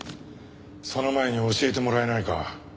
その前に教えてもらえないか？